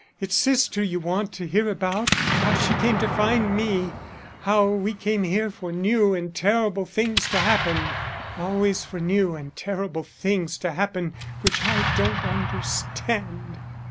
It's sister you want to hear about, how she came to find me; how we came here for new and terrible things to happen; always for new and terrible things to happen which I don't understand.